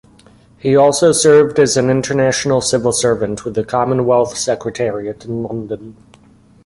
He also served as an international civil servant with the Commonwealth Secretariat in London.